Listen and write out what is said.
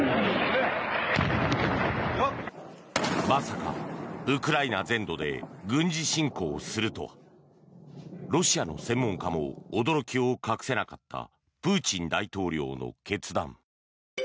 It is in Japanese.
まさかウクライナ全土で軍事侵攻するとはロシアの専門家も驚きを隠せなかったプーチン大統領の決断。